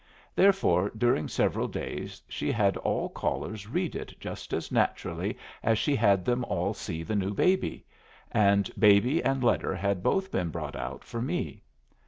Therefore, during several days she had all callers read it just as naturally as she had them all see the new baby, and baby and letter had both been brought out for me.